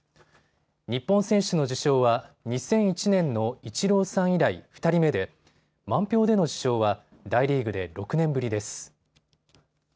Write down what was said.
日本選手の受賞は２００１年のイチローさん以来、２人目で満票での受賞は大リーグで６年ぶりです。